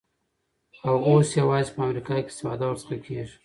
او اوس یوازی په امریکا کي استفاده ورڅخه کیږی